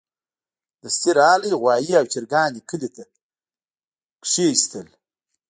دستي راغی غوايي او چرګان يې کلي ته کېستل.